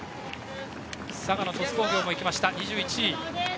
佐賀の鳥栖工業も行って２１位。